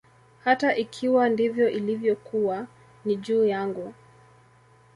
Hata ikiwa ndivyo ilivyokuwa, ni juu yangu.